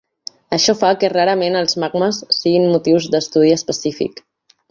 Això fa que rarament els magmes siguin motiu d'estudi específic.